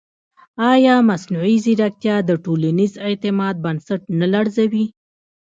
ایا مصنوعي ځیرکتیا د ټولنیز اعتماد بنسټ نه لړزوي؟